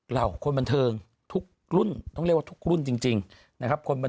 เหล่าคนบันเทิงทุกรุ่นต้องเรียกว่าทุกรุ่นจริงนะครับคนบน